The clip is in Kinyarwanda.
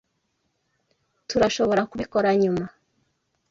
Tturashoborakubikora nyuma?